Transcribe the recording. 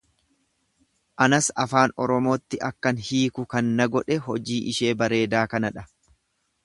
Anas afaan Oromootti akkan hiiku kan na godhe hojii ishee bareedaa kana dha.